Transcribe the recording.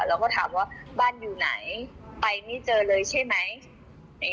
เราก็ถามว่าบ้านอยู่ไหนไปไม่เจอเลยใช่ไหม